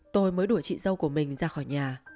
tôi mới đuổi chị dâu của mình ra khỏi nhà